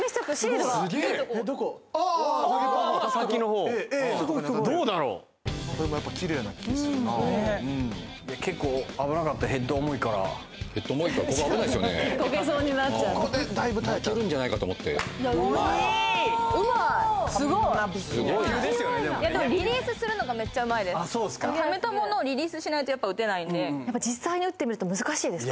野球ですよねでもね野球ためたものをリリースしないとやっぱ打てないんで実際に打ってみると難しいですか？